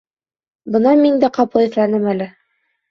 Бына мин дә ҡапыл иҫләнем әле.